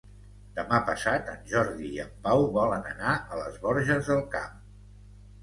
Demà passat en Jordi i en Pau volen anar a les Borges del Camp.